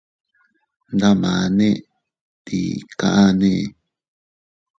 Ndamane ¿tii kaʼane?